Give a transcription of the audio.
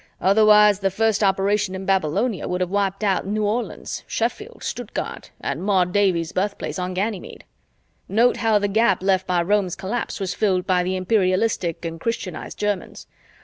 Otherwise the first operation in Babylonia would have wiped out New Orleans, Sheffield, Stuttgart, and Maud Davies' birthplace on Ganymede! "Note how the gap left by Rome's collapse was filled by the imperialistic and Christianized Germans.